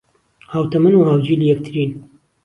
ھاوتەمەن و ھاوجیلی یەکترین